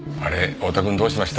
太田くんどうしました？